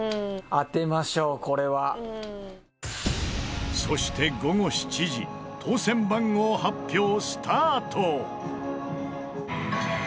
「当てましょうこれは」そして午後７時当せん番号発表スタート！